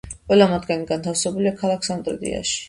ყველა მათგანი განთავსებულია ქალაქ სამტრედიაში.